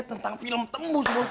tentang film tembus bos